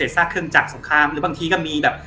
พวกเศรษฐศาสตร์เครื่องจักรสงครามหรือบางทีก็มีแบบ